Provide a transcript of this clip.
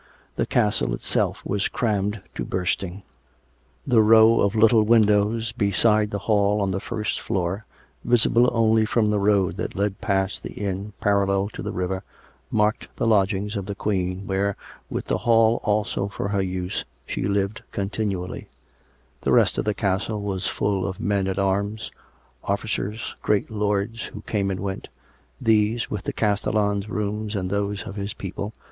The castle itself was crammed to bursting. The row of little windows beside the hall on the first floor, visible only from the road that led past the inn parallel to the river, marked the lodgings of the Queen, where, with the hall also for her use, she lived continually; the rest of the castle was full of men at arms, officers, great lords who came and went — these, with the castellan's rooms and those of his people.